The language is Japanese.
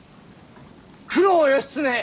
九郎義経